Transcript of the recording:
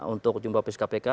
untuk jumpa pesis kpk